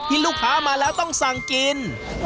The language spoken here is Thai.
ลูกค้ามาแล้วต้องสั่งกิน